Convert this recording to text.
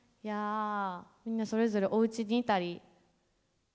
いやみんなそれぞれおうちにいたり。